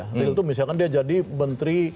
real itu misalkan dia jadi menteri